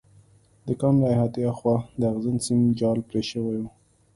د کان له احاطې هاخوا د اغزن سیم جال پرې شوی و